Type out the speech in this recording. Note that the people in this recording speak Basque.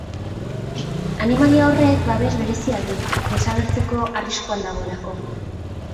Animalia horrek babes berezia du desagertzeko arriskuan dagoelako.